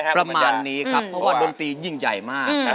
ประมาณนี้ครับเพราะว่าดนตรียิ่งใหญ่มาก